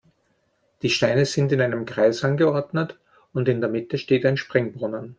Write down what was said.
Die Steine sind in einem Kreis angeordnet und in der Mitte steht ein Springbrunnen.